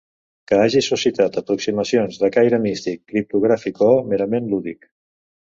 Que hagi suscitat aproximacions de caire místic, criptogràfic o merament lúdic.